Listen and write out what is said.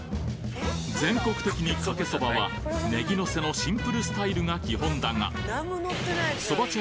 全国的にかけそばはネギのせのシンプルスタイルが基本だがそば茶